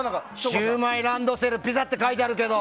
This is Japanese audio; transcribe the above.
シューマイランドセル、ピザって書いてあるけど。